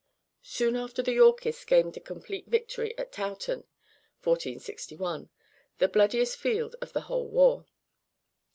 Soon after the Yorkists gained a complete victory at Towton (1461), the bloodiest field of the whole war.